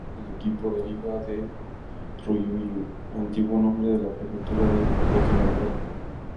El nombre del equipo deriva de Ryūkyū, antiguo nombre de la Prefectura de Okinawa.